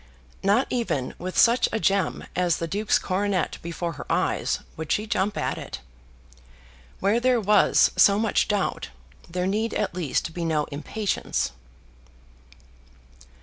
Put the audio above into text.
Not even with such a gem as the Duke's coronet before her eyes, would she jump at it. Where there was so much doubt, there need at least be no impatience.